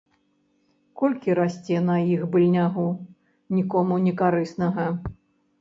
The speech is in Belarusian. Колькі расце на іх быльнягу, нікому некарыснага.